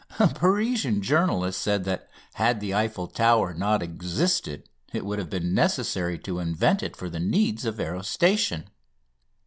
A Parisian journalist said that had the Eiffel Tower not existed it would have been necessary to invent it for the needs of aerostation.